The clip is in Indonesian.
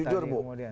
itu tadi kemudian